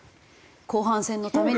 後半戦のために。